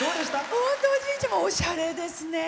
本当におじいちゃまおしゃれですね。